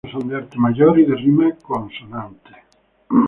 Los versos son de arte mayor y de rima consonante.